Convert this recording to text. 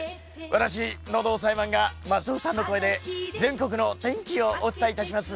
私、喉押さえマンがますおさんの声で全国の天気をお伝えいたします。